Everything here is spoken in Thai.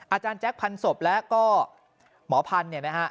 อาจารย์แจ๊คพันศพแล้วก็หมอพันธุ์เนี่ยนะฮะ